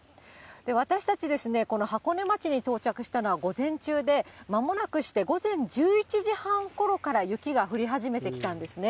私たちですね、この箱根町に到着したのは午前中で、間もなくして、午前１１時半ころから雪が降り始めてきたんですね。